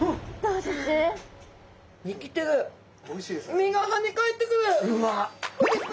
身がはねかえってくる！